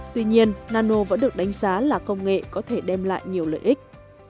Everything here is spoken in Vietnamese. tuy nhiên nano vẫn được đánh giá là công nghệ có thể đem lại nhiều lợi ích